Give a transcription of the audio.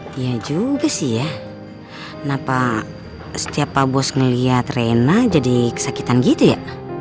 lihat juga sih ya kenapa setiap pak bos ngeliat rena jadi kesakitan gitu ya